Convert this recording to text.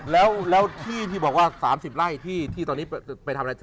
แล้วที่ที่บอกว่า๓๐ไร่ที่ตอนนี้ไปทำอะไร